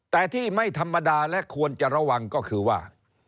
แต่ที่ไม่ธรรมดาและควรจะระวังก็คือว่า